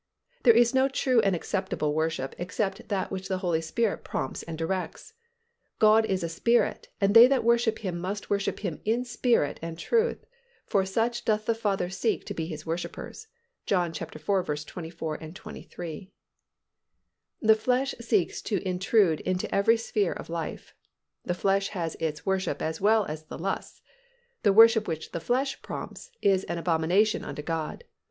There is no true and acceptable worship except that which the Holy Spirit prompts and directs. "God is a Spirit and they that worship Him must worship Him in Spirit and truth; for such doth the Father seek to be His worshippers" (John iv. 24, 23). The flesh seeks to intrude into every sphere of life. The flesh has its worship as well as its lusts. The worship which the flesh prompts is an abomination unto God.